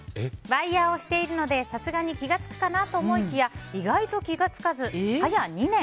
ワイヤをしているのでさすがに気が付くかなと思いきや意外と気が付かず、早２年。